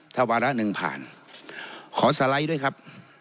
ถ้าวาระหนึ่งผ่านขอสไลด์ด้วยครับ